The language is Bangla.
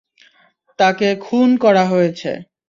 তাকে খুন করা হয়েছে।